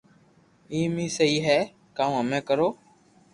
ايم اي سھي ھي ڪاو ھمي ڪرو